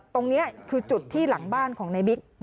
ตรงนี้คือจุดที่หลังบ้านของในบิ๊ก